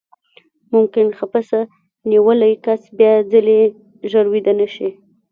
ممکن خپسه نیولی کس بیاځلې ژر ویده نه شي.